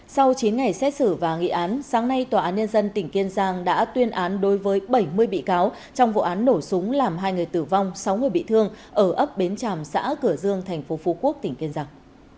sau chín ngày xét xử và nghị án sáng nay tòa án nhân dân tỉnh kiên giang đã tuyên án đối với bảy mươi bị cáo trong vụ án nổ súng làm hai người tử vong sáu người bị thương ở ấp bến tràm xã cửa dương tp phú quốc tỉnh kiên giang